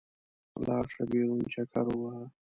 لاړ شه، بېرون چکر ووهه.